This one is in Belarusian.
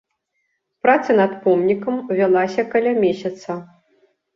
Праца над помнікам вялася каля месяца.